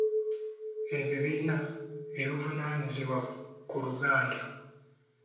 Ebibiina ebivunaanyizibwa ku Luganda: